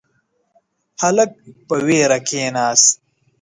هلک په وېره کښیناست.